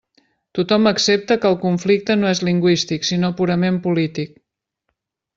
Tothom accepta que el conflicte no és lingüístic sinó purament polític.